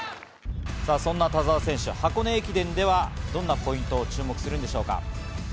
そんな田澤選手、箱根駅伝ではどんなポイントを注目するんでしょうか。